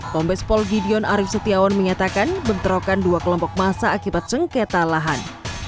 pembes pol gideon arief setiawan menyatakan bentrokan dua kelompok massa akibat sengketa lahan